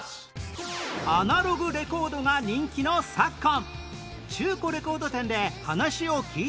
アナログレコードが人気の昨今